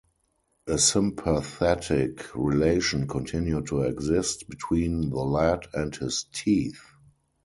A sympathetic relation continued to exist between the lad and his teeth.